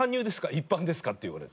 一般ですか？」って言われる。